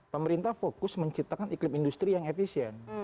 pemerintah fokus menciptakan iklim industri yang efisien